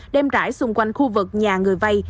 đem rải xung quanh khu vực nhà người vay